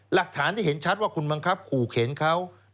หลักฐานที่เห็นชัดว่าคุณบังคับขู่เข็นเขา